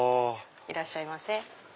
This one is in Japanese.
いらっしゃいませ。